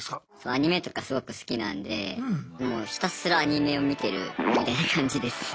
アニメとかすごく好きなんでもうひたすらアニメを見てるみたいな感じです。